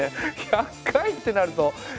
１００回ってなるとえっと